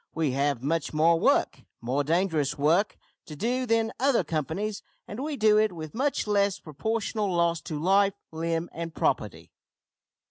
We have much more work more dangerous work to do than other companies, and we do it with much less proportional loss to life, limb, and property."